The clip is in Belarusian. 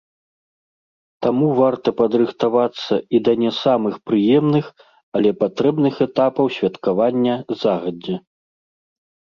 Таму варта падрыхтавацца і да не самых прыемных, але патрэбных этапаў святкавання загадзя.